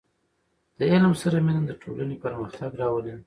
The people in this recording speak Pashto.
• د علم سره مینه، د ټولنې پرمختګ راولي.